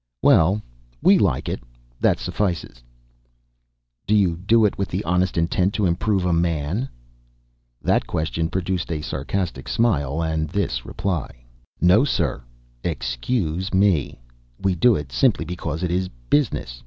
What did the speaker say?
"Well, WE like it; that suffices." "Do you do it with the honest intent to improve a man?" That question produced a sarcastic smile, and this reply: "No, sir. Excuse me. We do it simply because it is 'business.'